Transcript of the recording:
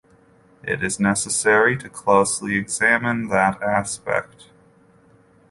It is necessary to closely examine that aspect.